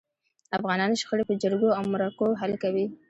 افغانان شخړي په جرګو او مرکو حل کوي.